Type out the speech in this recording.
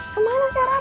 kemana sih rara